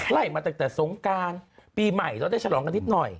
ไล่มาตั้งแต่สงการปีใหม่เราได้ฉลองกันนิดหน่อย